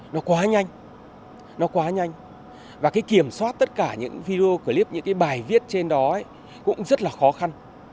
nó quá nhanh nó quá nhanh và cái kiểm soát tất cả những video clip những cái bài viết trên đó cũng rất là khó khăn